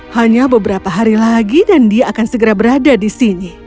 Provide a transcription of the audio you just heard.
hanya beberapa hari lagi dan dia akan segera berada di sini